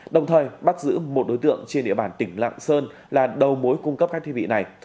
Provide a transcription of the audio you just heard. đồng thời bắt giữ một đối tượng trên địa bàn tỉnh lạng sơn là đầu mối cung cấp các thiết bị này